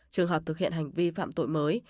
trường hợp thực hiện hành vi phạm tội mới